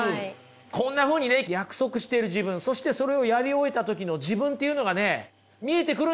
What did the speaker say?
こんなふうにね約束してる自分そしてそれをやり終えた時の自分っていうのがね見えてくるんですよ。